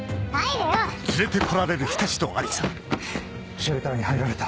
シェルターに入られた。